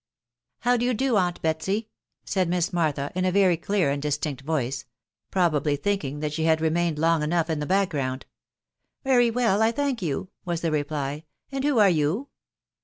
" How d'ye do, aunt Betsy ?".... said Miss Martha, m a very clear and distinct voice ; probably thinking that she had remained long enough in the background. " Very well, I thank you/' was the reply ;" ana who are you?"